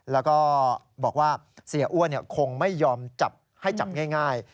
แล้วก็บอกว่าเสียอ้วนคงไม่ยอมจับให้จับง่าย